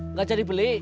nggak jadi beli